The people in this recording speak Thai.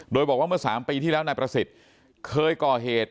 โดยบอกว่าเมื่อ๓ปีที่แล้วนายประสิทธิ์เคยก่อเหตุ